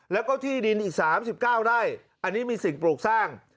แล้วก็ที่ดินอีก๓๙ไร่อันนี้มีสิ่งปลูกสร้าง